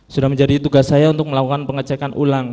sudah menjadi tugas saya untuk melakukan pengecekan ulang